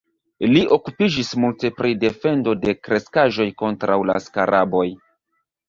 Li okupiĝis multe pri defendo de kreskaĵoj kontraŭ la skaraboj.